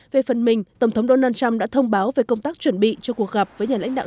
về phần mình tổng thống donald trump đã thông báo về công tác chuẩn bị cho cuộc gặp với nhà lãnh đạo